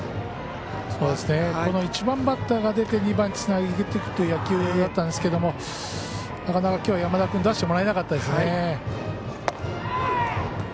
この１番バッターが出て２番につなげていくという野球だったんですがなかなか、きょうは山田君出してもらえなかったですね。